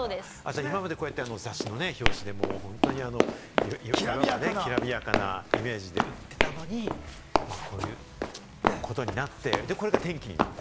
今までこうやって雑誌の表紙とかで、きらびやかなイメージで売っていたのに、こういうことになって、これが転機になった？